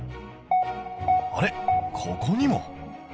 あれここにも？